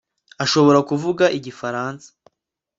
Ashobora kuvuga Igifaransa